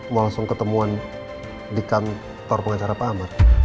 mau langsung ketemuan di kantor pengacara pak amar